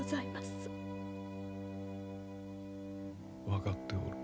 分かっておる。